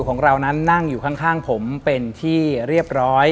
ของเรานั้นนั่งอยู่ข้างผมเป็นที่เรียบร้อย